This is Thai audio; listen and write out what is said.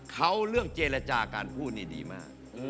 เขาเรื่องเจรจาการพูดนี่ดีมาก